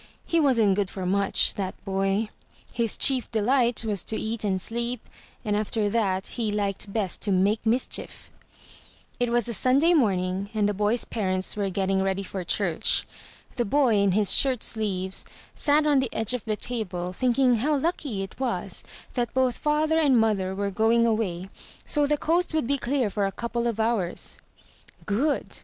He wasn't good for much, that boy. His chief delight was to eat and sleep, and after that he liked best to make mischief. It was a Sunday morning and the boy's parents were getting ready for church. The boy, in his shirt sleeves, sat on the edge of the table thinking how lucky it was that both father and mother were going away so the coast would be clear for a couple of hours. "Good!